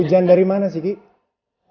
hujan dari mana sih ki